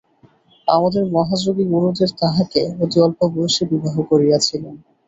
আমাদের মহাযোগী গুরুদেব তাঁহাকে অতি অল্প বয়সে বিবাহ করিয়াছিলেন।